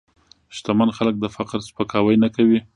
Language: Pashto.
شتمن خلک د فقر سپکاوی نه کوي.